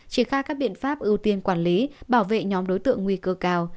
triển khai các biện pháp ưu tiên quản lý bảo vệ nhóm đối tượng nguy cơ cao